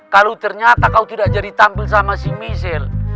kalau ternyata kau tidak jadi tampil sama si michelle